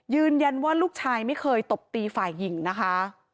ยืนยันว่าลูกชายไม่เคยตบตีฝ่ายหญิงนะคะ